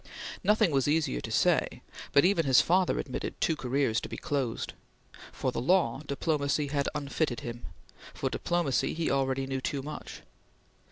Nothing was easier to say, but even his father admitted two careers to be closed. For the law, diplomacy had unfitted him; for diplomacy he already knew too much.